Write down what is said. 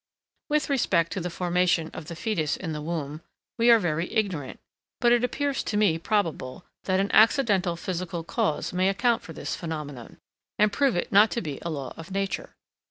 With respect to the formation of the foetus in the womb, we are very ignorant; but it appears to me probable, that an accidental physical cause may account for this phenomenon, and prove it not to be a law of nature.